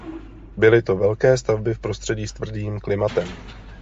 Byly to velké stavby v prostředí s tvrdým klimatem.